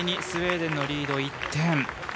スウェーデンのリード、１点。